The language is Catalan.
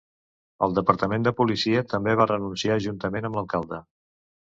El departament de policia també va renunciar juntament amb l'alcalde.